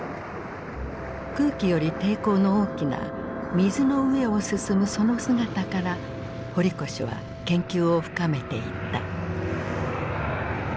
空気より抵抗の大きな水の上を進むその姿から堀越は研究を深めていった。